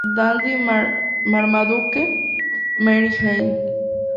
Dandy Marmaduke Mary Ellen.